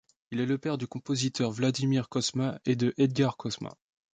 Il est le père du compositeur Vladimir Cosma, et de Edgar Cosma.